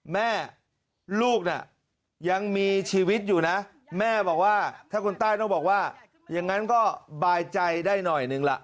แม่ลูกน่ะยังมีชีวิตอยู่นะแม่บอกว่าถ้าคนใต้ต้องบอกว่าอย่างนั้นก็บายใจได้หน่อยหนึ่งล่ะ